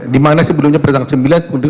dimana sebelumnya pada tanggal sembilan untuk